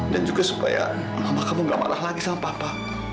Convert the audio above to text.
dan juga supaya mamakamu gak marah lagi sama papa